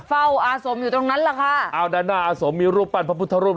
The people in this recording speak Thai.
อาสมอยู่ตรงนั้นแหละค่ะอ้าวด้านหน้าอาสมมีรูปปั้นพระพุทธรูป